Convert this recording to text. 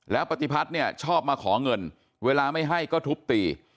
แล้วปฏิพัฒน์เนี่ยชอบมาขอเงินเวลาไม่ให้ก็ทุบตี